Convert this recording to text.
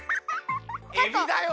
エビだよ！